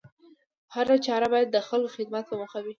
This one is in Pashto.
هره چاره بايد د خلکو د خدمت په موخه وي